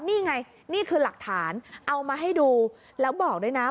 นี่ไงนี่คือหลักฐานเอามาให้ดูแล้วบอกด้วยนะ